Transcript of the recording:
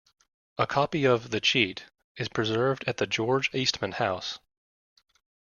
A copy of "The Cheat" is preserved at the George Eastman House.